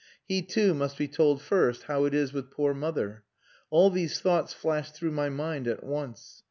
He, too, must be told first how it is with poor mother. All these thoughts flashed through my mind at once.